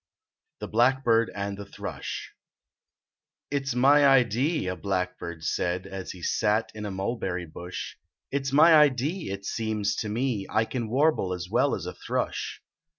THE BLACKBIRD AND THE THRUSH " It s my idee," a blackbird said, As he sat in a mulberry bush, " It s my idee it seems to me I can warble as well as a thrush."